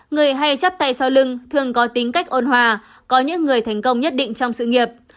người hay chấp tay sau lưng thường có tính cách ôn hòa có những người thành công nhất định trong sự nghiệp